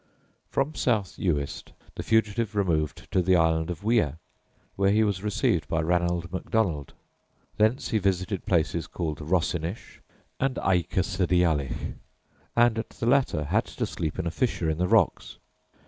From South Uist the fugitive removed to the Island of Wia, where he was received by Ranald Macdonald; thence he visited places called Rossinish and Aikersideallich, and at the latter had to sleep in a fissure in the rocks.